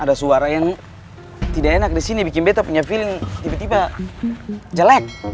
ada suara yang tidak enak di sini bikin beto punya feeling tiba tiba jelek